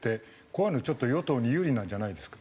こういうのちょっと与党に有利なんじゃないですか？